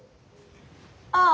ああ。